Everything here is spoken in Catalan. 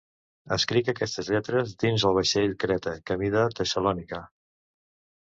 Escric aquestes lletres dins del vaixell Creta, camí de Tessalònica.